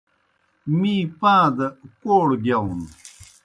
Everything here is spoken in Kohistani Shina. می پاں دہ کوڑوْ گِیاؤن۔